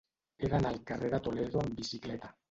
He d'anar al carrer de Toledo amb bicicleta.